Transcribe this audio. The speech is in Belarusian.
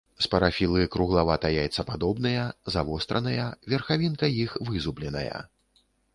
Спарафілы круглавата-яйцападобныя, завостраныя, верхавінка іх вызубленая.